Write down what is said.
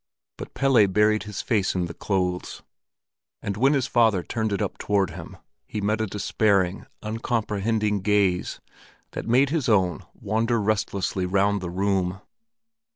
But Pelle buried his face in the clothes, and when his father turned it up toward him, he met a despairing, uncomprehending gaze that made his own wander restlessly round the room.